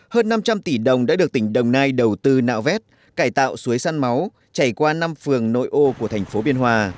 hơn năm trăm linh tỷ đồng đã được tỉnh đồng nai đầu tư nạo vét cải tạo suối săn máu chảy qua năm phường nội ô của thành phố biên hòa